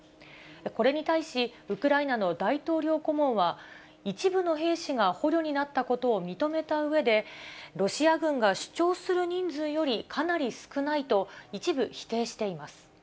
これに対し、ウクライナの大統領顧問は、一部の兵士が捕虜になったことを認めたうえで、ロシア軍が主張する人数よりかなり少ないと、一部、否定しています。